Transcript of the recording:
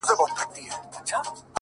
څه عجيبه شان سيتار کي يې ويده کړم!